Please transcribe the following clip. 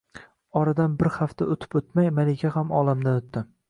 Oradan bir hafta o’tib-o’tmay Malika ham olamdan o’tdi.